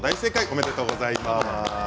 おめでとうございます。